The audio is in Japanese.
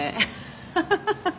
ハハハハハ！